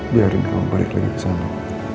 biarin kamu balik lagi ke sana